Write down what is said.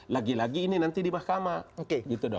lagi lagi ini nanti di mahkamah gitu dong